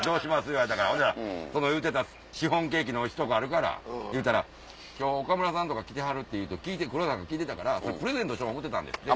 言われたからほんだらその言うてたシフォンケーキのおいしいとこあるから言うたら今日岡村さんとか来てはるって黒田から聞いてたからプレゼントしよう思うてたんですって。